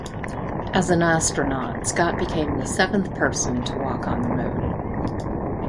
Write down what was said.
As an astronaut, Scott became the seventh person to walk on the Moon.